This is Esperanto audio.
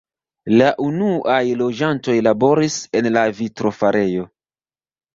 La unuaj loĝantoj laboris en la vitrofarejo.